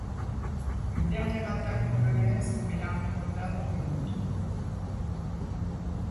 Une dernière attaque polonaise met l’armée moldave en déroute.